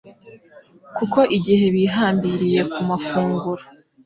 kuko igihe bihambiriye ku mafunguro